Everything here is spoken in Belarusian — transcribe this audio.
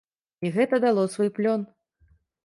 І гэта дало свой плён.